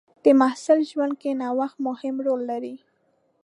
د محصل ژوند کې نوښت مهم رول لري.